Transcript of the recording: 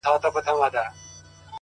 لکه ملنگ چي د پاچا د کلا ور ووهي _